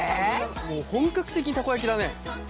もう本格的にたこ焼きだね。